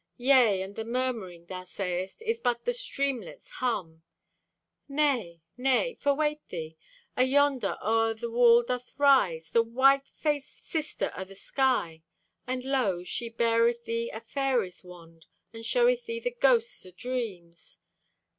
Yea, and the murmuring, thou sayest, Is but the streamlet's hum. Nay, nay! For wait thee. Ayonder o'er the wall doth rise The white faced Sister o' the Sky. And lo, she beareth thee a fairies' wand, And showeth thee the ghosts o' dreams.